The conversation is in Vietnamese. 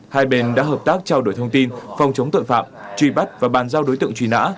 hai bên đã hợp tác trao đổi thông tin phòng chống tội phạm truy bắt và bàn giao đối tượng truy nã